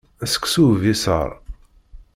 Seksu ubiṣaṛ.